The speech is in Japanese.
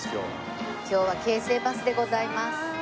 今日は京成バスでございます。